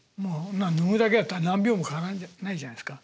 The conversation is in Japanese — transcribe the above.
脱ぐだけやったら何秒もかからないじゃないですか。